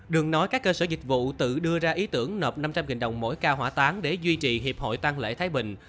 đừng nói các cơ sở dịch vụ tự đưa ra ý tưởng nợp năm trăm linh đồng mỗi ca hỏa tán để duy trì hiệp hội tăng lễ thái bình